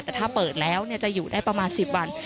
แต่ถ้าเปิดแล้วจะอยู่ได้ประมาณ๑๐วัน